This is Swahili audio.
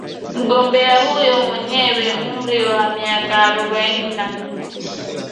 Mgombea huyo mwenye umri wa miaka arubaini na nne